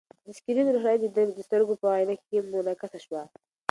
د سکرین روښنايي د ده د سترګو په عینکې کې منعکسه شوه.